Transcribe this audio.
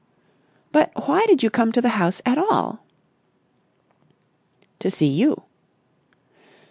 "But why did you come to the house at all?" "To see you."